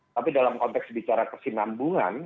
tapi dalam konteks bicara kesinambungan